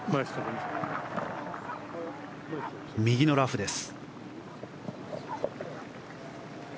右のラフです。